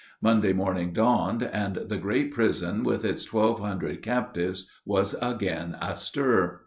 Monday morning dawned, and the great prison with its twelve hundred captives was again astir.